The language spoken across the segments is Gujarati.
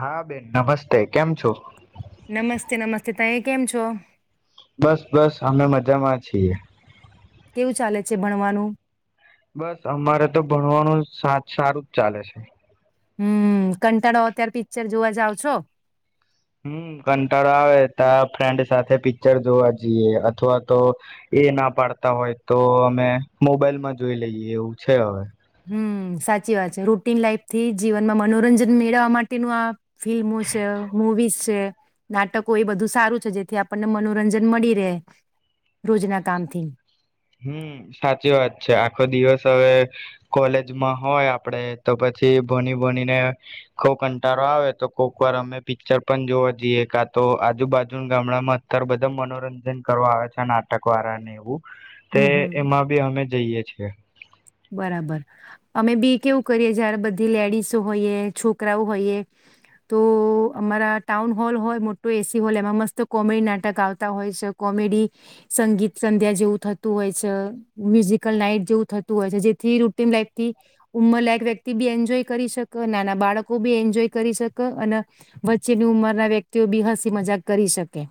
હા બેન નમસ્તે કેમ છો નમસ્તે નમસ્તે તમે કેમ છો બસ બસ અમે મજામાં છીએ કેવું ચાલે છે ભણવાનું બસ અમારે તો ભણવાનું સારું જ ચાલે છે હમ કંટાળો અત્યારે પિક્ચર જોવા જાવ છો હમ કંટાળા આવે ત ફ્રેન્ડ સાથે પિક્ચર જોવા જઈએ અથવા તો એ ના પાડતા હોય તો અમે મોબાઈલમાં જોઈ લઈએ એવું છે હવે હમ સાચી વાત છે રૂટીન લાઈફ થી જીવનમાં મનોરંજન મેળવવા માટેનું આ ફિલ્મો છે મુવીઝ છે નાટકો એ બધું સારું છે જેથી આપણને મનોરંજન મળી રહે રોજના કામથી હમ સાચી વાત છે આખો દિવસ હવે કોલેજમાં હોય આપડે તો પછી ભોની ભોનીને કોક અંટારો આવે તો કોક વાર અમે પિક્ચર પણ જોવા જઈએ કા તો આજુબાજુ ગામડામાં અત્યારે બધા મનોરંજન કરવા આવે છે નાટક વાળાને એવું તે હમ હમ એમાં બી અમે જઈએ છીએ બરાબર અમે બી કેવું કરીએ જયારે બધી લેડીસો હોઈએ છોકરાઓ હોઈએ તો અમારા ટાઉન હોલ હોય મોટો એસી હોલ એમાં મસ્ત કોમેડી નાટક આવતા હોય છે કોમેડી સંગીત સંધ્યા જેવું થતું હોય છે મ્યુઝિકલ નાઈટ જેવું હોય છે જેથી રૂટીન લાઈફથી ઉંમર લાયક વ્યક્તિ બી એન્જોય કરી શકે નાના બાળકો બી એન્જોય કરી શકે અને વચ્ચેની ઉંમરના વ્યક્તિઓ બી હસી મજાક કરી શકે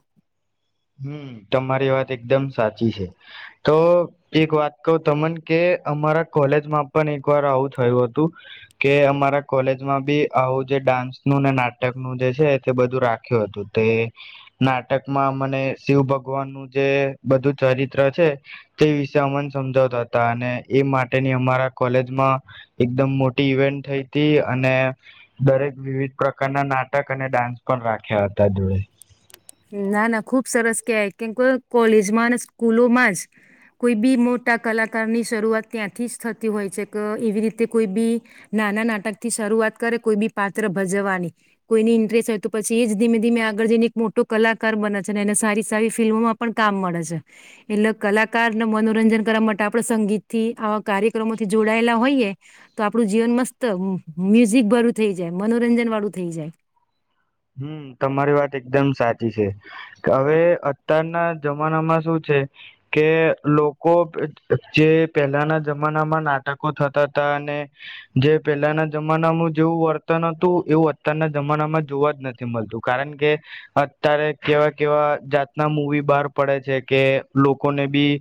હમ તમારી વાત એકદમ સાચી છે તો એક વાત કહ તમન કે અમારા કોલેજમાં પણ એક વાર આવું થયું હતું કે અમારા કોલેજમાં બી આવું જે ડાન્સ નું ને નાટકનુંું જે છે તે બધું રાખ્યું હતું તે નાટકમાં મને શિવ ભગવાન નું જે બધું ચરિત્ર છે તે વિષ અમને સમજાવતા હતા અને એ માટેની અમારા કોલેજમાં એકદમ મોટી ઈવેન્ટ થઈ હતી અને દરેક વિવિધ પ્રકારના નાટક અને ડાન્સ પણ રાખ્યા હતા જોડે ના ના ખુબ સરસ કહેવાય કેમ કોલેજમાં અને સ્કૂલોમાં જ કોઈ બી મોટા કલાકારની શરૂઆત ત્યાંથી જ થતી હોય છે કે એવી રીતે કોઈ બી નાના નાટક થી શરૂઆત કરે કોઈ બી પાત્ર ભજવવાની કોઈની ઇન્ટરેસ્ટ હોય તો પછી એ જ ધીમે ધીમે આગળ જઈને એક મોટો કલાકાર બને છે ને એને સારી સારી ફિલ્મોમાં પણ કામ મળે છે એટલે કલાકારને મનોરંજન કરવા માટે આપણે સંગીત થી આવા કાર્યક્રમોથી જોડાયેલા હોઈએ તો આપણું જીવન મસ્ત મ્યુઝિક ભરું થઈ જાય મનોરંજન વાળું થઈ જાય હમ તમારી વાત એકદમ સાચી છે હવે અત્યારના જમાનામાં શું છે કે લોકો જે પહેલાના જમાનામાં નાટકો થતા હતા અને જે પહેલાના જમાનામાં જેવું વર્તન હતું એવું અત્યારના જમાનામાં જોવા જ નથી મળતું કારણ કે અત્યારે કેવા કેવા જાતના મૂવી બહાર પડે છે કે લોકોને બી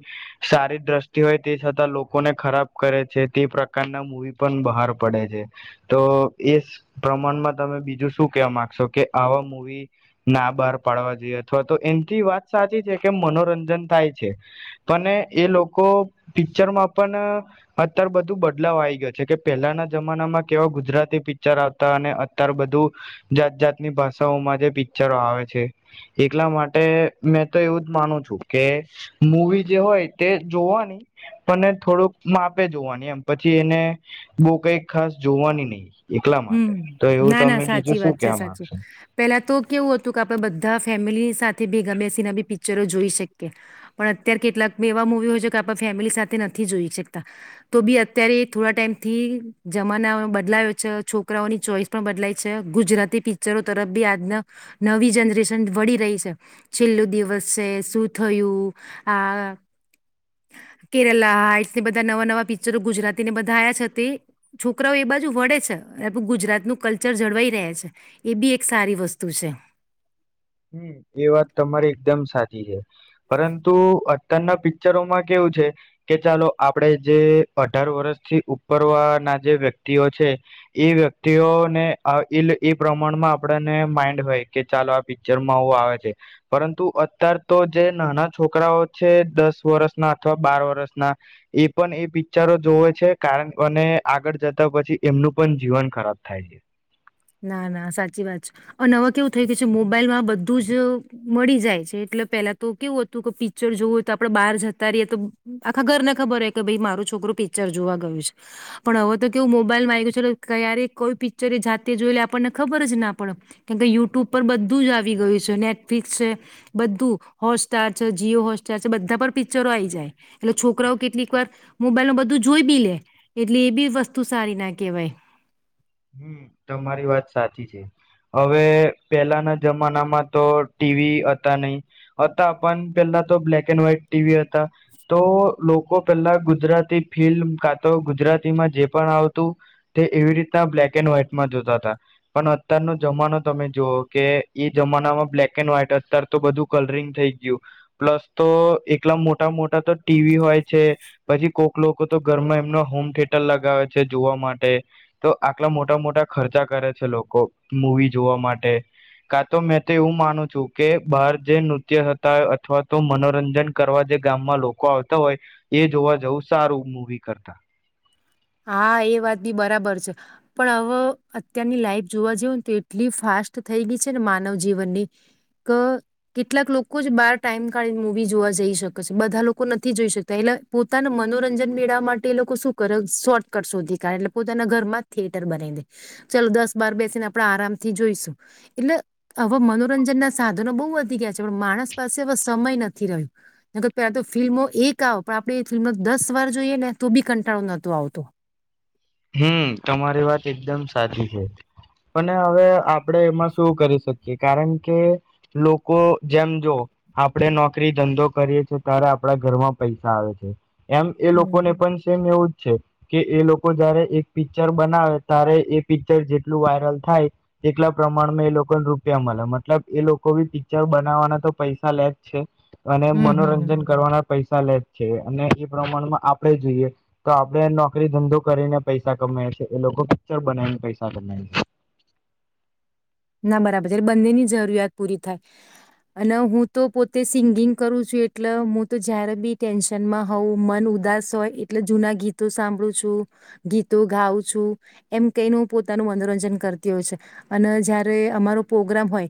સારી દ્રષ્ટિ હોય તે છતાં લોકોને ખરાબ કરે છે તે પ્રકારના મૂવી પણ બહાર પડે છે તો એ પ્રમાણમાં તમે બીજું શું કે આવા મુૂવી ના બહાર પાડવા જોઈએ અથવા તો એમથી વાત સાચી છે કે મનોરંજન થાય છે પણ એ લોકો પિક્ચરમાં પણ અતાર બધું બદલાવ આવી ગયો છે કે પેલાના જમાનામાં કેવા ગુજરાતી પિક્ચર આવતા અને અત્યાર બધું જાત જાતની ભાષાઓમાં જે પિક્ચરો આવે છે એટલા માટે મેં તો એવું જ માનું છું કે મૂવી જે હોય તે જોવાની પણ થોડુંક માપે જોવાની એમ પછી એને બહુ કઈક ખાસ જોવાની નહીિ એટલા માટે તો એવું તમે બીજું શું સા કેવા સાચી માંગશો પેલા તો કેવું હતું કે આપડે બધા ફેમિલી સાથે બી ગમે ત ના બી પિક્ચરો જોઈ શકીએ પણ અત્યારે કેટલાક એવા મુવી હોય છે કે આપ ફેમિલી સાથે નથી જોઈ શકતા તો બી અત્યારે થોડા ટાઈમથી જમાના બદલાયો છે છોકરાઓની ચોઈસ પણ બદલાય છે ગુજરાતી પિક્ચરો તરફ બી આજના નવી જનરેશન વળી રહી છે છેલ્લોું દિવસ છે શું થયું આ કેરલા હાટ્સ બધા નવા નવા પિક્ચરો ગુજરાતીને બધાયા છે તે છોકરાઓ એ બાજુ વળે છે ું ગુજરાતનું કલ્ચર જળવાઈ રહ છે એ બી એક સારી વસ્તુ છે હમ એ વાત તમારી એકદમ સાચી છે પરંતુ અત્યારના પિક્ચરોમાં કેવું છે કે ચાલો આપડે જે અઢાર વર્ષથી ઉપરવા ના જે વ્યક્તિઓ છે એ વ્યક્તિઓને એ એ પ્રમાણમાં આપણને માઇન્ડ હોય કે ચાલો આ પિકચ પિક્ચરમાં ઓું આવે છે પરંતુ અત્યાર તો જે નાના છોકરાઓ છે દસ વર્ષના અથવા બાર વર્ષના એ પણ એ પિક્ચરો જોવે છે કારણ અને આગળ જતા પછી એમનું પણ જીવન ખરાબ થાય છે ના ના સાચી વાત છે અને હવે કેવું થઈ ગયું છે મોબાઈલમાં બધું જ મળી જાય છે એટલે પેલા તો કેવું હતું કે પિક્ચર જોવું હોય તો આપડે બહાર જતા રહીએ તો આખા ઘર ને ખબર હો કે ભાઈ મારો છોકરો પિક્ચર જોવા ગયો છે પણ હવે તો કેવું મોબાઈલમાં આવી ગયું છે ક્યારે કોઈ પિક્ચર જા તે જોઈ લ આપણને ખબર જ ના પડે કેમકે યુટ્યુબ પર બધું જ આવી ગયું છે નેટફ્લિકસ છે બધું હોટસ્ટાર છે જીઓ હોટસ્ટાર છે બધા પર પિક્ચરો આવી જાય એટલે છોકરાઓ કેટલીક વાર મોબાઈલ ન બધું જોઈ બી લે એટલે એ બી વસ્તુ સારી ના કહેવાય હમ તમારી વાત સાચી છે હવે પેલાના જમાનામાં તો ટીવી હતા નહી હતા પણ પેલા તો બ્લેક એન્ડ વ્હાઈટ ટીવી હતા તો લોકો પેલા ગુજરાતી ફિલ્મ કા તો ગુજરાતીમાં જે પણ આવતું તે એવી રીતના બ્લેક એન્ડ વ્હાઈટ જોતા પણ અત્યારનોો જમાનો તમે જોુઓ કે એ જમાનામાં બ્લેક એન્ડ વ્હાઈટ અત્યાર તો બધું કલરિંગ થઈ ગયું પ્લસ તો એકલા મોટા મોટા તો ટીવી હોય છે પછી કોક લોકો તો ઘરમાં એમના હોમ થિયેટર લગાવે છે જોવા માટે તો આટલા મોટા મોટા ખર્ચા કરે છે લોકો મૂવી જોવા માટે કા તો મેં તો એવું માનું છું કે બહાર જે નૃત્ય થતા હોય અથવા તો મનોરંજન કરવા જે ગામમાં લોકો આવતા હોય એ જોવા જવું સારું મૂવી કરતા હા એ વાત બી બરાબર છે પણ હવે અત્યારની લાઈફ જોવા જવને તો એટલી ફાસ્ટ થઈ ગઈ છે ને માનવ જીવનની કે કેટલાક લોકો જ બાર ટાઈમ કાઢીને મૂવી જોવા જઈ શકે છે બધા લોકો નથી જોઈ શકતા એટલે પોતાના મનોરંજન મેળવવા માટે એ લોકો શું કર શોર્ટકટ શોધી કાઢ એટલે પોતાના ઘરમાં થિયેટર બનાવી દે ચાલો દસ બાર બેસીને આપડણે આરામથી જોઈશું એટલે હવે મનોરંજન ના સાધનો બહુ વધી ગયા છે પણ માણસ પાસે હવે સમય નથી રહ્યો પેલા તો ફિલ્મો એક આવ પણ આપણે ફિલ્મો દસ વાર જોઈએ ને તો બી કંટાળો નોતો આવતું હમ તમારી વાત એકદમ સાચી છે અને હવે આપડણે એમાં શું કરી શકીએ કારણ કે લોકો જેમ જો આપડે નોકરી ધંધો કરીએ છે ત્યારે આપડા ઘરમાં પૈસા આવે છે એમ એ હમ લોકો ને પણ સેમ એવું જ છે કે એ લોકો જયારે એક પિક્ચર બનાવે ત્યારે એ પિક્ચર જેટલું વાયરલ થાય તેટલા પ્રમાણમાં એ લોકોને રૂપિયા મળે મતલબ એ લોકો બી પિક્ચર બનાવવાના તો પૈસા લે જ છે અને હમ હમ હમ મનોરંજન કરવાના પૈસા લે છે અને એ પ્રમાણમાં આપણે જોઈએ તો આપડણે નોકરી ધંધો કરીને પૈસા કમા છે એ લોકો પિક્ચર બનાવીને પૈસા કમાય છે ના બરાબર જ્યારે બંનેની જરૂરિયાત પૂરી થાય અને હું તો પોતે સિંગિંગ કરું છું એટલે હું તો જયારે બી ટેન્શનમાં હોઉં મન ઉદાસ હોય એટલે જૂના ગીતો સાંભળું છું ગીતો ગઉં છું એમ કઈને હ પોતાનું મનોરંજન કરતી હોય છે અને જ્યારે અમારો પ્રોગ્રામ હોય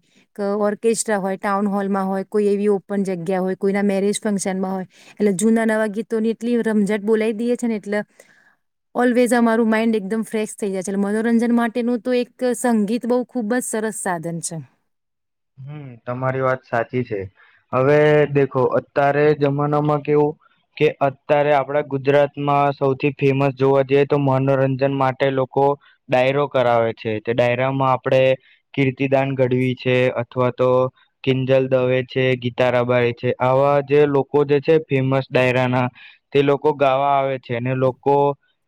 ઓર્કેસ્ટ્રા હોય ટાઉન હોલ માં હોય કોઈ એવી ઓપન જગ્યા હોય કોઈના મેરેજ ફંક્શનમાં હોય એટલે જૂના નવા ગીતોની એટલી રમઝટ બોલાવી દઈએ છે ને એટલે ઓલવેઝ અમારું માઈન્ડ એકદમ ફ્રેશ થઈ જાય છેટલે મનોરંજન માટેનું તો એક સંગીત બહ ખૂબ જ સરસ સાધન છે હ તમારી વાત સાચી છે હવે દેખો અત્યારે જમાનામાં કેવું કે અત્યારે આપડા ગુજરાતમાં સૌથી ફેમસ જોવા જઈએ તો મનોરંજન માટે લોકો ડાયરો કરાવે છે તે ડાયરામાં આપણે કીર્તિદાન ઘડવી છે અથવા તો કિંજલ દવે છે ગીતારાબારી છે આવા જે લોકો જે છે ફેમસ ડાયરાના તે લોકો ગાવા આવે છે અને લોકો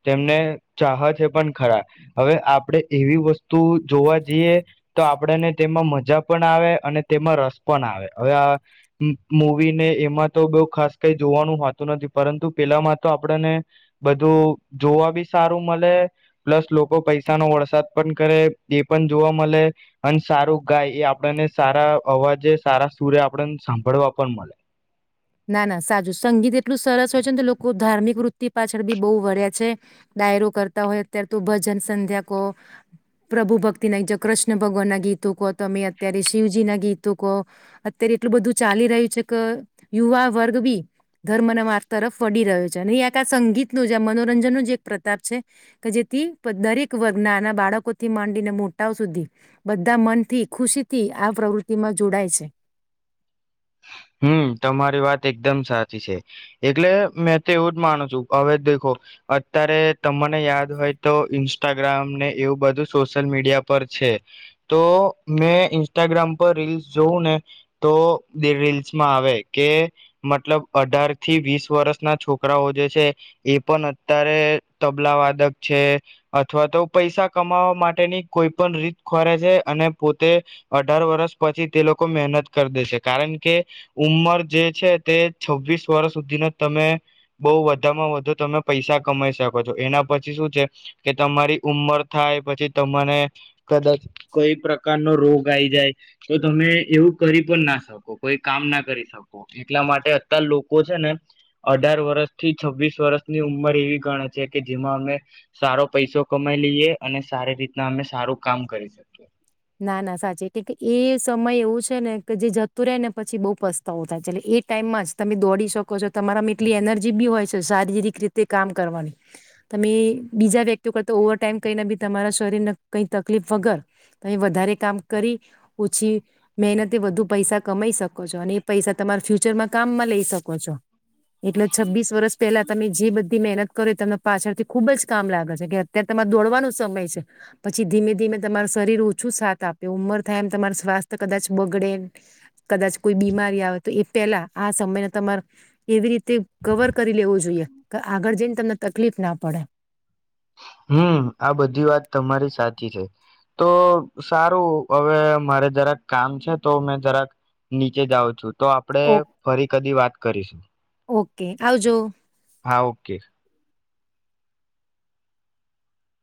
તેમને ચાહ છે પણ ખરા હવે આપણેે એવી વસ્તુ જોવા જઈએ તો આપણેને તેમાં મજા પણ આવે અને તેમાં રસ પણ આવે હવે આ મૂવી ને એમાં તો બઉુ ખાસ કઈ જોવાનું હોતું નથી પરંતુ પેલામાં તો આપણને બધું જોવા બી સારું મળે પ્લસ લોકો પૈસા નો વરસાદ પણ કરે એ પણ જોવા મળે અને સારું ગાય એ આપણને સારા અવાજે સારા સૂર્ય આપણ સાંભળવા પણ મળે ના ના સાચું સંગીત એટલું સરસ હોય છે ને તો લોકો ધાર્મિક વૃત્તિ પાછળ બી બહુ વળ્યા છે ડાયરો કરતા હોય અત્યારે તો ભજન સંધ્યા કહો પ્રભુ ભક્તિ ના કૃષ્ણ ભગવાન ના ગીતો કહો તમે અત્યારે શિવજી ના ગીતો કહો અત્યારે એટલું બધું ચાલી રહ્યું છે કે યુવા વર્ગ બી ધર્મના માર્ગ તરફ વડી રહ્યો છે અને આ સંગીતનું જ આ મનોરંજન ન જ એક પ્રતાપ છે કે જેથી દરેક વર્ગ નાના બાળકોથી માંડીને મોટાઓ સુધી બધા મનથી ખુશી થી આ પ્રવૃતિમાં જોડાય છે હમ તમારી વાત એકદમ સાચી છે એટલે મેં તો એવું જ માનું છું હવે દેખો અત્યારે તમને યાદ હોય તો ઈન્સ્ટાગ્રામ ને એવું બધું સોશિયલ મીડિયા પર છે તો મેં ઇન્સ્ટાગ્રામ પર રીલ્સ જોવું ને તો બે રી આવે કે મતલબ અઢાર થી વીસ વર્ષ ના છોકરાઓ જે છે એ પણ અત્યારે તબલાવાદક છે અથવા તો પૈસા કમાવા માટેની કોઈ પણ રીત ખોરે છે અને પોતે અઢાર વર્ષ પછી તે લોકો મહેનત કરી દે છે કારણ કે ઉંમર જે છે તે છવ્વીસ વર્ષ સુધીને તમે બહુ વધામાં વધુ તમે પૈસા કમાઈ શકો છો એના પછી શું છે કે તમારી ઉંમર થાય પછી તમાને કદાચ કોઈ પ્રકાર નો રોગ આવી જાય તો તમે એવું કરી પણ ના શકો કોઈ કામ ના કરી શકો એટલા માટે અત લોકો છે ને અઢાર વર્ષ થી છવ્વીસ વર્ષની ઉંમર એવી ગણે છે કે જેમાં અમે સારો પૈસો કમાઈ લઈએ અને સારી રીતના અમે સારું કામ કરી શકીએ ના ના સાચી કે એ સમય એવું છે ને કે જે જતું રહે ને પછી બહુ પસ્તાવું થાય છે એટલે એ ટાઈમમાં જ તમે દોડી શકો છો તમારામાં એટલી એનર્જી બી હોય છે શારીરિક રીતે કામ કરવાની તમે બીજા વ્યક્તિઓ કરતા ઓવર ટાઈમ કઈને બી તમારા શરીરને કઈ તકલીફ વગર તમે વધારે કામ કરી ઓછી મહેનતે વધુ પૈસા કમાઈ શકો છો અને એ પૈસા તમારા ફ્યુચરમાં કામમાં લઈ શકો છો એટલે છ્બીસ વર્ષ પેલા તમે જે બધી મહેનત કરો તમને પાછળથી ખુબ જ કામ લાગે છે કે અત્યારે તમારે દોડવાનો સમય છે પછી ધીમે ધીમે તમાર શરીર છું સાથ આપે ઉંમર થાય એમ તમાર સ્વાસ્થ કદાચ બગડે કદાચ કોઈ બીમારી આવે તો એ પહેલા આ સમયને તમારે એવી રીતે કવર કરી લેવો જોઈએ કે આગળ જઈને તમને તકલીફ ના પડે હમ આ બધી વાત તમારી સાચી છે તો સારું હવે મારે જરાક કામ છે તો મેં જરાક નીચે જાઉં છું તો આપડે ઓ ફરી કદી વાત કરીશું ઓકે આવજો હા ઓકે